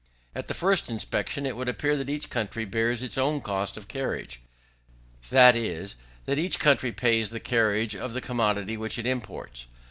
At the first inspection it would appear that each country bears its own cost of carriage, that is, that each country pays the carriage of the commodity which it imports.